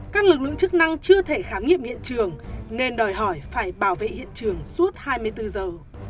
các lực lượng chức năng chưa thể khám nghiệm hiện trường nên đòi hỏi phải bảo vệ hiện trường suốt hai mươi bốn giờ